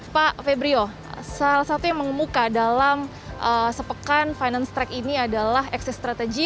pak febrio salah satu yang mengemuka dalam sepekan finance track ini adalah exit strategy